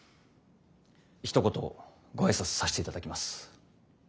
ひと言ご挨拶させていただきます。